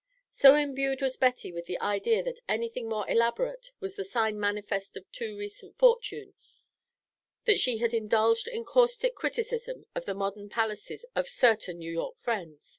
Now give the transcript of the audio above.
So imbued was Betty with the idea that anything more elaborate was the sign manifest of too recent fortune, that she had indulged in caustic criticism of the modern palaces of certain New York friends.